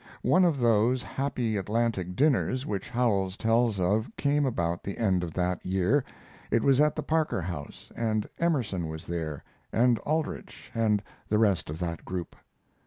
One of those, happy Atlantic dinners which Howells tells of came about the end of that year. It was at the Parker House, and Emerson was there; and Aldrich, and the rest of that group.